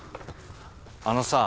あのさ。